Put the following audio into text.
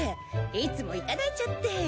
いつもいただいちゃって。